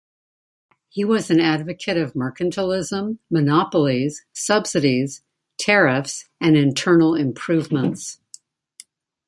He was an advocate of mercantilism, monopolies, subsidies, tariffs, and internal improvements.